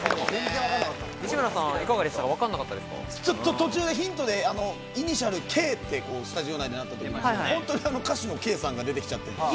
途中でヒントで、イニシャル「Ｋ」って、スタジオ内でなった時も、歌手のＫさんが出てきちゃって。